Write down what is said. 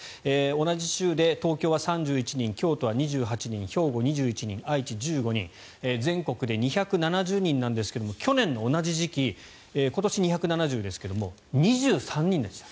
同じ週で東京は３１人京都は２８人兵庫、２１人、愛知、１５人全国で２７０人なんですが去年の同じ時期今年２７０でしたけど２３人でした。